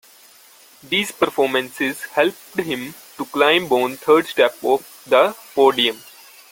These performances helped him climb on the third step of the podium.